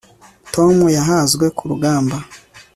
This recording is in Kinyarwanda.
Tom yahazwe kurugamba